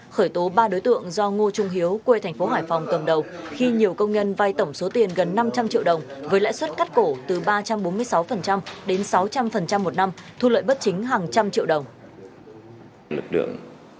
khởi tố ba đối tượng do ngo trung hiếu quê tp hải phòng cầm đầu khi nhiều công nhân vai tổng số tiền gần năm trăm linh triệu đồng